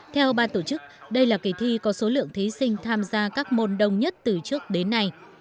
theo ban tổ chức đây là kỳ thi có số lượng thí sinh tham gia các môn đông nhất từ trước đến nay